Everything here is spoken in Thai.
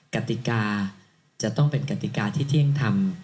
กติกาจะต้องเป็นกติกาที่เที่ยงธรรม